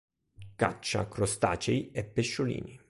Caccia crostacei e pesciolini.